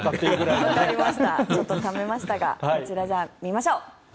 ちょっとためましたがこちら、見ましょう。